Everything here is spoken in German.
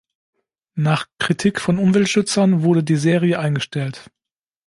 Nach Kritik von Umweltschützern wurde die Serie eingestellt.